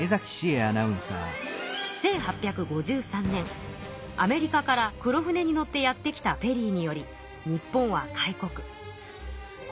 １８５３年アメリカから黒船に乗ってやって来たペリーにより日本は開国。